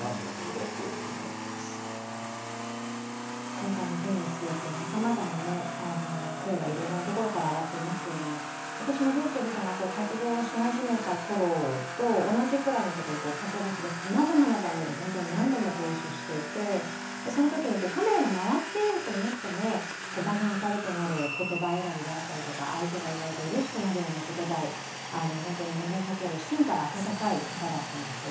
今回の件についてさまざまな声がいろいろなところから上がっていますけども私もｒｙｕｃｈｅｌｌさんが活動をし始めたころと同じころ、駆け出しでさまざまな番組で何度もご一緒していてそのときにカメラが回っていようといなくても場が明るくなる言葉選びだったり、相手がうれしくなるような言葉を投げかける芯から温かい方だったんですよ。